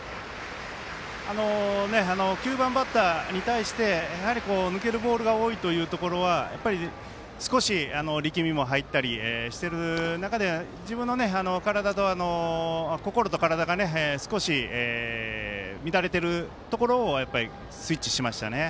９番バッターに対してやはり抜けるボールが多いというところは少し力みも入ったりしてる中で自分の心と体が少し乱れてるところをスイッチしましたね。